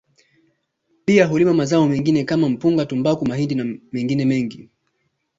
Pia hulima mazao mengine kama mpunga tumbaku mahindi na mengine mengi